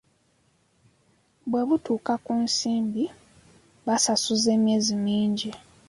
"Bwe butuuka ku nsimbi, basasuza emyezi mingi."